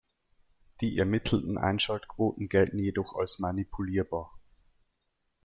Die ermittelten Einschaltquoten gelten jedoch als manipulierbar.